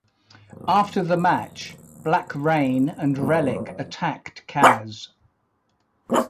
After the match, Black Reign and Rellik attacked Kaz.